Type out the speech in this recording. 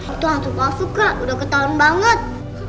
itu hantu pasuk kak udah ketahuan banget